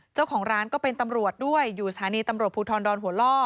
เจ้าของร้านก็เป็นตำรวจด้วยอยู่สถานีตำรวจภูทรดอนหัวล่อ